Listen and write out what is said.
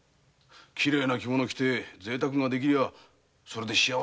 キレイな着物着てぜいたくができりゃそれが女の。